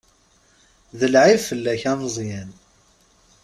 D lεib fell-ak a Meẓyan.